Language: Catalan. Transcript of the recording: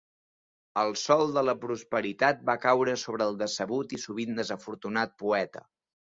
El sol de la prosperitat va caure sobre el decebut i sovint desafortunat poeta.